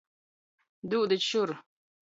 Dūdit šur!